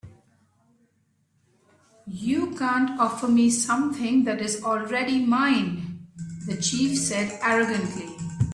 "You can't offer me something that is already mine," the chief said, arrogantly.